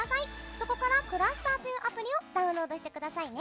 そこからｃｌｕｓｔｅｒというアプリをダウンロードしてくださいね。